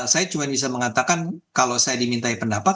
saya cuma bisa mengatakan kalau saya diminta pendapat